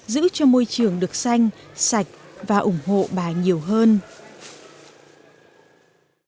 giữ cho môi trường được xanh sạch và ủng hộ bà nhiều hơn